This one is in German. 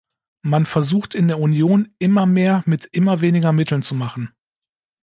Man versucht in der Union, immer mehr mit immer weniger Mitteln zu machen.